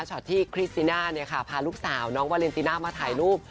ที่คริสติน่าพาลูกสาวน้องวาเลนติน่ามาถ่ายรูป